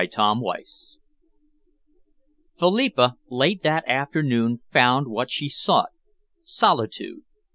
CHAPTER XXVI Philippa, late that afternoon, found what she sought solitude.